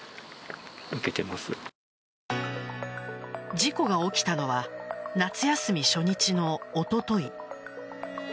事故が起きたのは夏休み初日のおととい。